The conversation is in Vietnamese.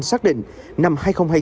xác định năm hai nghìn hai mươi bốn